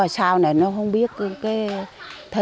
sau này nó không biết thế hệ